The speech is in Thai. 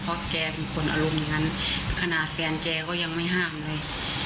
เพราะแกเป็นคนอารมณ์อย่างนั้นขณะแฟนแกก็ยังไม่ห้ามเลย